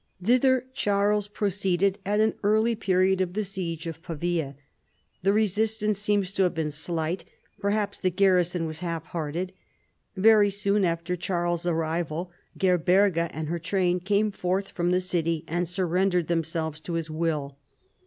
Thither, Charles proceeded at an early period of the siege of Pavia. The resistance seems to have been slight, perhaps the garrison was half hearted. Very soon after Charles's arrival, Gerberga and her train came forth from the city and surrendered themselves to his will.